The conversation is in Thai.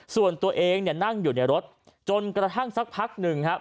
ส่วนตัวเองเนี่ยนั่งอยู่ในรถจนกระทั่งสักพักหนึ่งครับ